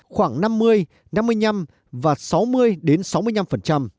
khoảng năm mươi năm mươi năm và sáu mươi triệu doanh nghiệp